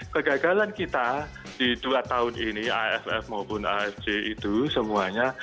kegagalan kita di dua tahun ini aff maupun afc itu semuanya